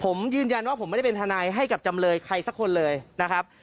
ผมยืนยันว่าผมไม่ได้เป็นทนายให้กับจำเลยใครสักคนเลยนะครับ